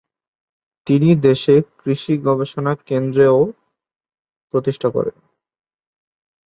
তিনি দেশে কৃষি গবেষণা কেন্দ্রও প্রতিষ্ঠা করেন।